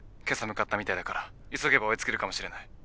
けさ向かったみたいだから急げば追い付けるかもしれない。